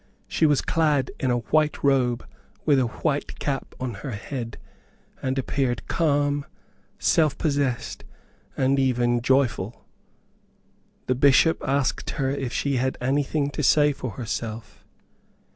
She was clad in a white robe, with a white cap on her head, and appeared calm, self possessed, and even joyful. The Bishop asked her if she had anything to say for herself.